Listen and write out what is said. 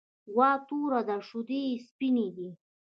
غوا توره ده او شیدې یې سپینې دي.